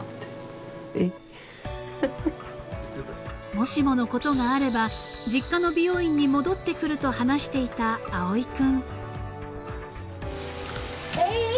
［もしものことがあれば実家の美容院に戻ってくると話していた葵君］